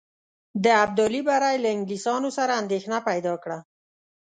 د ابدالي بری له انګلیسیانو سره اندېښنه پیدا کړه.